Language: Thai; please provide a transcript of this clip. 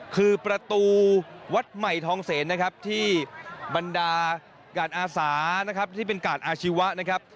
คือประตูวัดใหม่ทองเสนนะครับที่บรรดากาศอาสานะครับที่เป็นกาดอาชีวะนะครับ